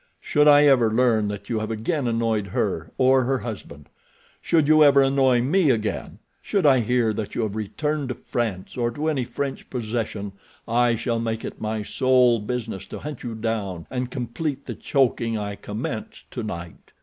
Should I ever learn that you have again annoyed her or her husband—should you ever annoy me again—should I hear that you have returned to France or to any French possession, I shall make it my sole business to hunt you down and complete the choking I commenced tonight."